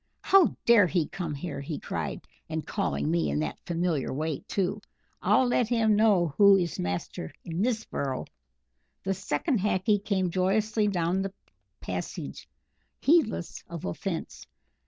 "How dare he come here!" he cried, "and calling me in that familiar way too! I'll let him know who is master in this burrow!" The second Hackee came joyously down the passage, heedless of offence.